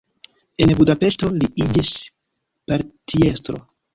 En Budapeŝto li iĝis partiestro.